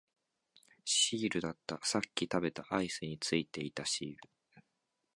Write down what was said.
シールだった、さっき食べたアイスについていたシール